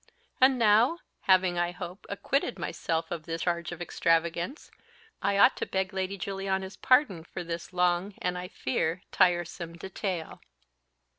And now, having, I hope, acquitted myself of the charge of extravagance, I ought to beg Lady Juliana's pardon for this long, and, I fear, tiresome detail."